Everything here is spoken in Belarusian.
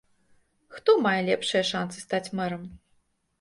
Хто мае лепшыя шанцы стаць мэрам?